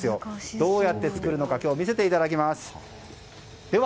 どうやって作るのか今日、見せていただきます。